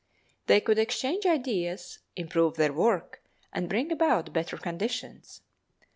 They could exchange ideas, improve their work, and bring about better conditions.